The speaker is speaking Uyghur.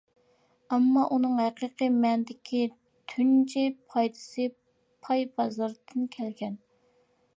ئەمما ئۇنىڭ ھەقىقىي مەنىدىكى تۇنجى پايدىسى پاي بازىرىدىن كەلگەن.